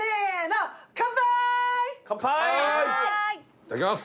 いただきます。